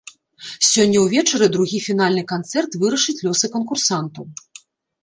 Сёння ўвечары другі фінальны канцэрт вырашыць лёсы канкурсантаў.